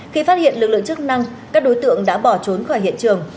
khi phát hiện lực lượng chức năng các đối tượng đã bỏ trốn khỏi hiện trường